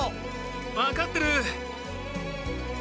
分かってる。